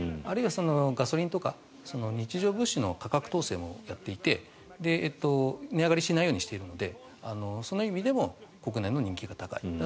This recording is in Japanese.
あるいはガソリンとか日常物資の価格統制もやっていて値上がりしないようにしているのでその意味でも国内の人気が高い。